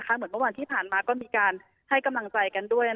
เหมือนเมื่อวานที่ผ่านมาก็มีการให้กำลังใจกันด้วย